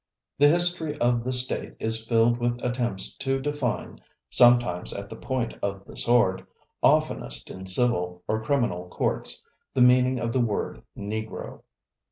The history of the State is filled with attempts to define, sometimes at the point of the sword, oftenest in civil or criminal courts, the meaning of the word Negro.